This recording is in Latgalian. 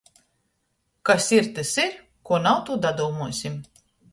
Kas ir – tys ir, kuo nav – tū dadūmuosim!